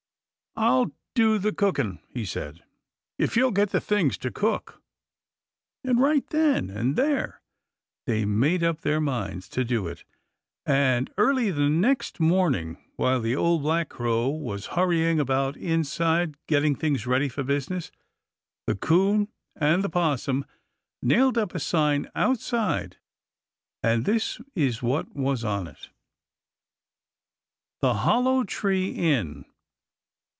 "I'll do the cookin'," he said, "if you'll get the things to cook." And right then and there they made up their minds to do it, and early the next morning, while the Old Black Crow was hurrying about inside, getting things ready for business, the 'Coon and the 'Possum nailed up a sign outside, and this is what was on it: THE HOLLOW TREE INN.